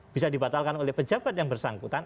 bisa dibatalkan oleh pejabat yang bersangkutan